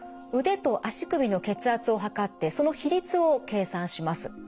腕と足首の血圧を測ってその比率を計算します。